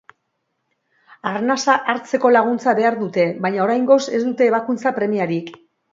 Arnasa hartzeko laguntza behar dute, baina oraingoz ez dute ebakuntza premiarik.